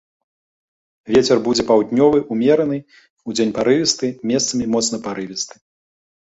Вецер будзе паўднёвы ўмераны, удзень парывісты, месцамі моцны парывісты.